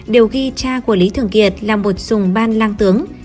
đều ghi cha của lý thường kiệt là một sùng ban lang tướng